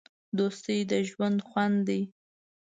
دوستي د ژوند خوند دی.